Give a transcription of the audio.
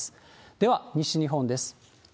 では、西日本です。